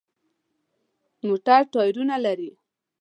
موټر ټایرونه لري.